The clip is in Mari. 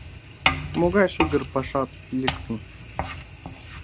Могай шыгыр пашат лектын?